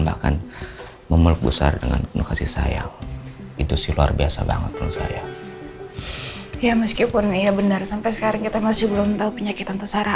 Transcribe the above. bahkan memeluk besar dengan w rail untuk sampai setidaknya melegakannya